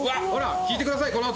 ほらっ聞いてください